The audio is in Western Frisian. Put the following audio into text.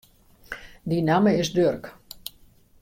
Myn namme is Durk.